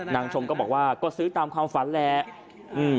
นางชมก็บอกว่าก็ซื้อตามความฝันแหละ